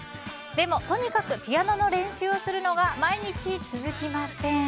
でも、とにかくピアノの練習をするのが毎日続きません。